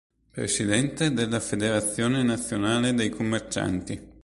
Presidente della federazione nazionale dei commercianti.